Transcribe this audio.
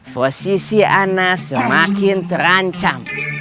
posisi anak semakin terancam